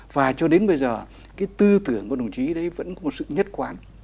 và cho đến bây giờ cái tư tưởng của đồng chí đấy vẫn có một sự nhất quán